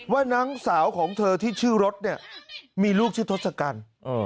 น้องสาวของเธอที่ชื่อรถเนี่ยมีลูกชื่อทศกัณฐ์